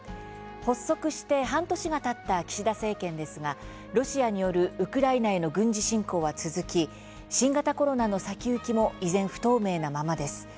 発足して半年がたった岸田政権ですがロシアによるウクライナへの軍事侵攻は続き新型コロナの先行きも依然、不透明なままです。